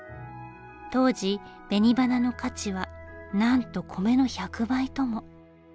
当時紅花の価値は何と米の１００倍とも。